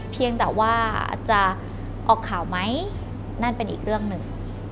เพียงแต่ว่าจะออกข่าวไหมนั่นเป็นอีกเรื่องหนึ่ง